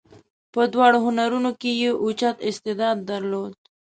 په دواړو هنرونو کې یې اوچت استعداد درلود.